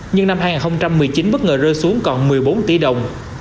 nhưng năm hai nghìn một mươi chín bất ngờ rơi xuống còn một mươi bốn tỷ đồng